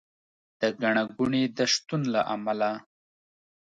د ګڼه ګوڼې د شتون له امله